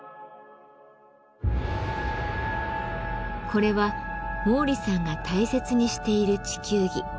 これは毛利さんが大切にしている地球儀。